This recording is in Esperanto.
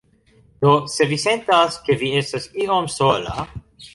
Do se vi sentas, ke vi estas iom sola